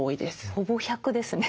ほぼ１００ですね。